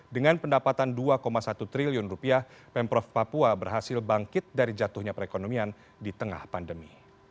dengan pendapatan dua satu triliun rupiah pemprov papua berhasil bangkit dari jatuhnya perekonomian di tengah pandemi